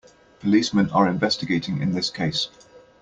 Policemen are investigating in this case.